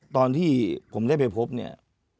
ตอนที่ผมได้ไปพบเนี่ย